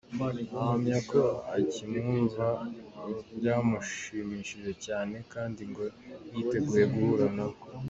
Ahamya ko akimwumva byamushimishije cyane kandi ngo yiteguye guhura nawe.